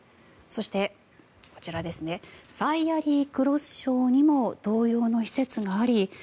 そしてこちらファイアリー・クロス礁にも同様の施設があり